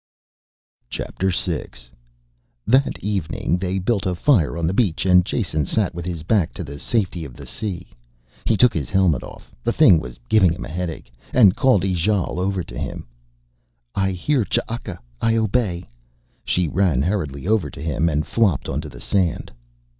VI That evening they built a fire on the beach and Jason sat with his back to the safety of the sea. He took his helmet off, the thing was giving him a headache, and called Ijale over to him. "I hear Ch'aka. I obey." She ran hurriedly over to him and flopped onto the sand.